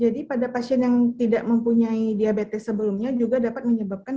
jadi pada pasien yang tidak mempunyai diabetes sebelumnya juga dapat menyebabkan